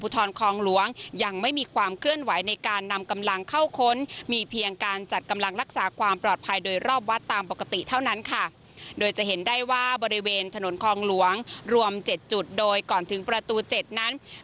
ถนนคลองหลวงรวม๗จุดโดยก่อนถึงประตู๗นั้น